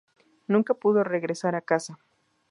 Nunca pudo regresar a casa.